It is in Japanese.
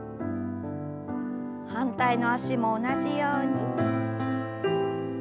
反対の脚も同じように。